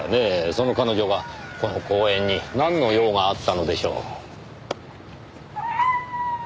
その彼女がこの公園になんの用があったのでしょう？